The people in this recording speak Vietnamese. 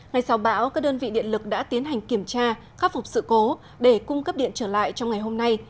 ngày sau bão các đơn vị điện lực đã tiến hành kiểm tra khắc phục sự cố để cung cấp điện trở lại trong ngày hôm nay